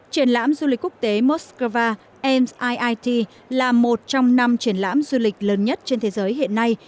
triển lãm du lịch quốc tế moscow mit là một trong năm triển lãm du lịch lớn nhất trên thế giới hiện nay